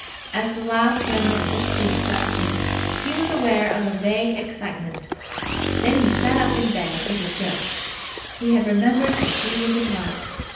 As the last remnants of sleep left him, he was aware of a vague excitement. Then he sat up in bed with a jerk. He had remembered that he was in love.